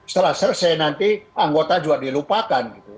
setelah selesai nanti anggota juga dilupakan gitu